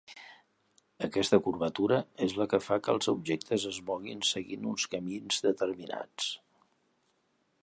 Aquesta curvatura és la que fa que els objectes es moguin seguint uns camins determinats.